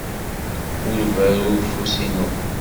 Ur berru i ufus-inu.